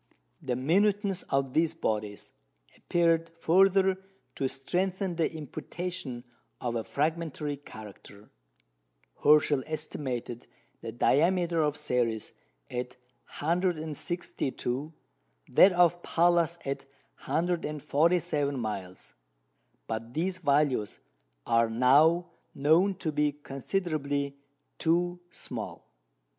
The minuteness of these bodies appeared further to strengthen the imputation of a fragmentary character. Herschel estimated the diameter of Ceres at 162, that of Pallas at 147 miles. But these values are now known to be considerably too small.